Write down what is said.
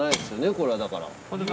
これはだから。